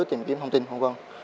tìm kiếm thông tin v v